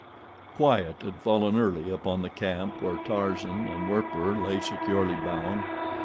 Quiet had fallen early upon the camp where Tarzan and Werper lay securely bound.